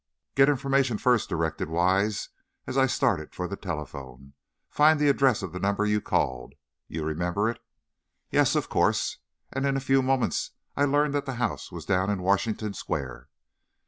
"Get Information first," directed Wise, as I started for the telephone. "Find the address of the number you called. You remember it?" "Yes; of course." And in a few moments I learned that the house was down in Washington Square.